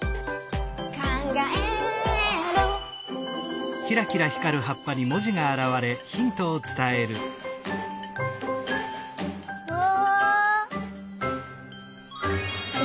「かんがえる」うわ！